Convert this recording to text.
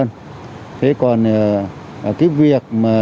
thế còn cái việc mà